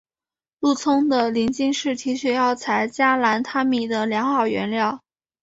鹿葱的鳞茎是提取药品加兰他敏的良好原料。